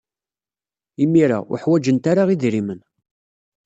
Imir-a, ur ḥwajent ara idrimen.